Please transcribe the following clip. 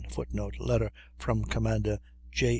[Footnote: Letter from Commander J.